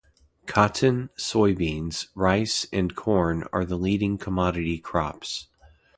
Cotton, soybeans, rice and corn are the leading commodity crops.